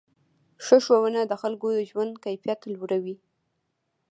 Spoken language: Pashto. ښه ښوونه د خلکو ژوند کیفیت لوړوي.